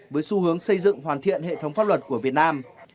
với xu hướng xây dựng hoàn thiện hệ thống pháp luật của việt nam